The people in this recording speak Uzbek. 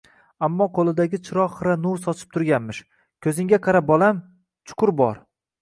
ammo qo'lidagi chiroq xira nur sochib turganmish. «Ko'zingga qara, bolam, chuqur bor»